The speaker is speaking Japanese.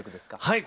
はい。